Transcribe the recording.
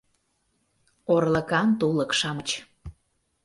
— «Орлыкан тулык-шамыч»